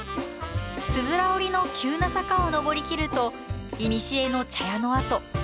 つづら折りの急な坂を登りきると古の茶屋の跡。